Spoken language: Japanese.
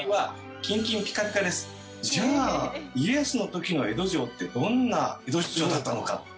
じゃあ家康の時の江戸城ってどんな江戸城だったのか。